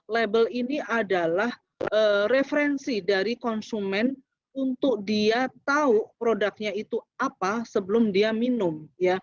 label ini adalah referensi dari konsumen untuk dia tahu produknya itu apa sebelum dia minum